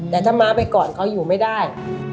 แต่ถ้าม้าไปก่อนเขาอยู่ไม่ได้